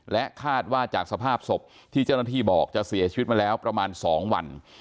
และคาดว่าจากสภาพศพที่เจ้าหน้าที่บอกจะเสียชีวิตมาแล้วประมาณ๒วัน